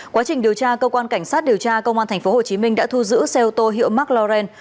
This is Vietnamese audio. quá trình điều tra cơ quan cảnh sát điều tra công an tp hcm đã thu giữ xe ô tô hiệu mclaren